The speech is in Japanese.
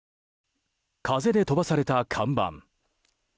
風で飛ばされた看板。